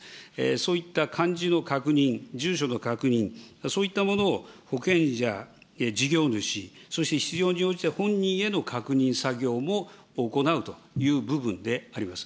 そういった漢字の確認、住所の確認、そういったものを保険者、事業主、そして必要に応じて本人への確認作業も行うという部分であります。